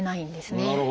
なるほど。